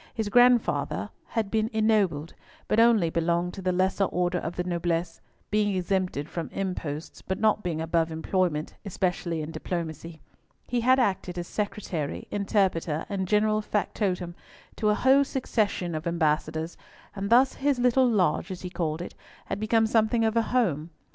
His grandfather bad been ennobled, but only belonged to the lesser order of the noblesse, being exempted from imposts, but not being above employment, especially in diplomacy. He had acted as secretary, interpreter, and general factotum, to a whole succession of ambassadors, and thus his little loge, as he called it, had become something of a home.